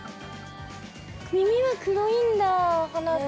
耳は黒いんだ鼻と。